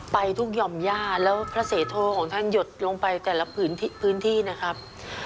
ไปทุกหย่อมย่าแล้วพระเสโทของท่านหยดลงไปแต่ละพื้นที่นะครับ